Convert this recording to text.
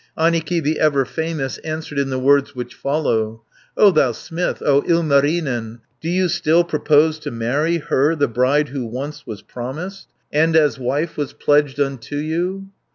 240 Annikki, the ever famous, Answered in the words which follow: "O thou smith, O Ilmarinen, Do you still propose to marry Her, the bride who once was promised, And as wife was pledged unto you?